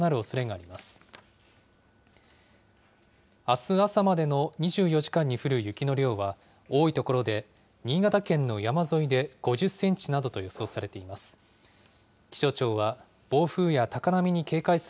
あす朝までの２４時間に降る雪の量は、多い所で新潟県の山沿いで５０センチなどと予想されています。